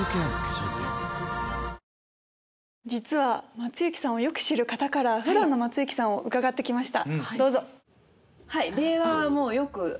実は松雪さんをよく知る方から普段の松雪さんを伺って来ました。